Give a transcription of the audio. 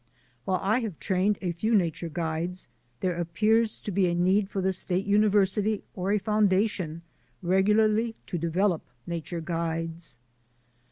While I have trained a few nature guides there appears to be a need for a State University or a Founda tion regularly to develop nature guides.